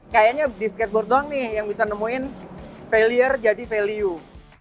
kayaknya di skateboard doang nih yang bisa nemuin failure jadi value